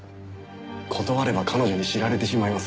断れば彼女に知られてしまいます。